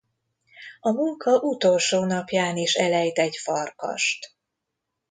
A munka utolsó napján is elejt egy farkast.